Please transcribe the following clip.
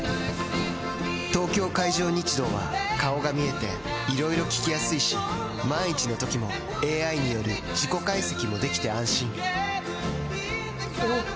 東京海上日動は顔が見えていろいろ聞きやすいし万一のときもＡＩによる事故解析もできて安心おぉ！